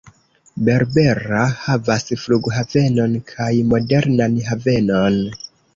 Berbera havas flughavenon kaj modernan havenon.